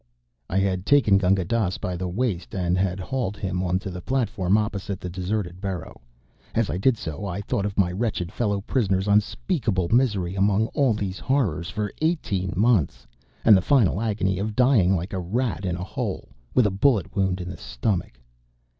I had taken Gunga Dass by the waist and had hauled him on to the platform opposite the deserted burrow. As I did so I thought of my wretched fellow prisoner's unspeakable misery among all these horrors for eighteen months, and the final agony of dying like a rat in a hole, with a bullet wound in the stomach.